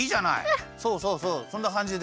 そうそうそうそんなかんじで。